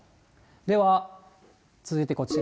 では続いてこちら。